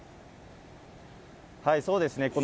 はい、そうですね。